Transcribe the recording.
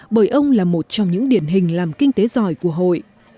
bởi ông là một trong những điển hình làm kinh tế giỏi của hội